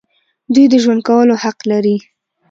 دوی د ژوند کولو حق لري.